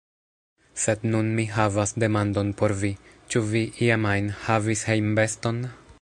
Sed nun mi havas demandon por vi, Ĉu vi, iam ajn, havis hejmbeston?